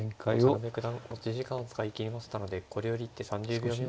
渡辺九段持ち時間を使い切りましたのでこれより一手３０秒未満で。